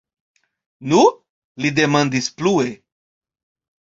Nu? li demandis plue.